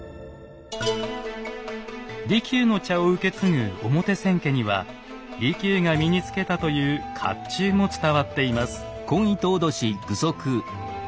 利休の茶を受け継ぐ表千家には利休が身につけたという甲冑も伝わっています。